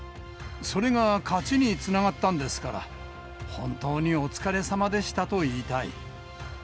それが勝ちにつながったんですから、本当にお疲れさまでしたと言いたい。